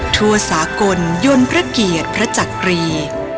ทั่วสากลยนต์พระเกียรติพระจักรี